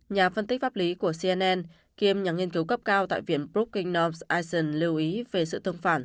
nhà phân tích pháp lý của cnn kiêm nhà nghiên cứu cấp cao tại viện brookings north eisen lưu ý về sự thương phản